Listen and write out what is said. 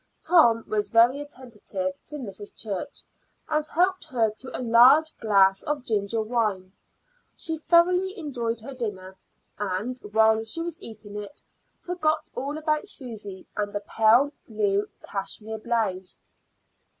Tom was very attentive to Mrs. Church, and helped her to a large glass of ginger wine. She thoroughly enjoyed her dinner, and, while she was eating it, forgot all about Susy and the pale blue cashmere blouse.